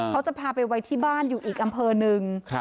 เขาจะพาไปไว้ที่บ้านอยู่อีกอำเภอหนึ่ง